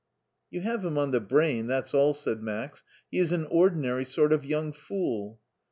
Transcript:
You have him on the brain, that's all !" said Max. He is an ordinary sort of young fool."